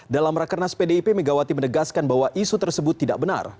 dalam rakernas pdip megawati menegaskan bahwa isu tersebut tidak benar